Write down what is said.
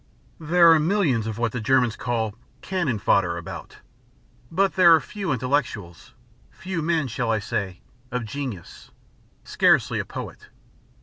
"There are millions of what the Germans call 'cannon fodder' about. But there are few intellects few men, shall I say? of genius, scarcely a poet.